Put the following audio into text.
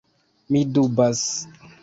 Mi dubas.